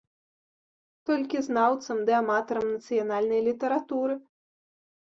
Толькі знаўцам ды аматарам нацыянальнай літаратуры.